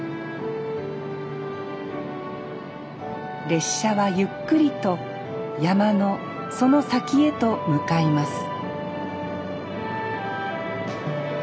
列車はゆっくりと山のその先へと向かいます